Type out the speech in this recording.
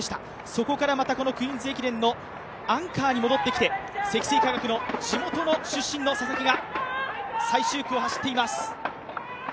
そこからクイーンズ駅伝のアンカーに戻ってきて積水化学の地元出身の佐々木が最終区を走っています。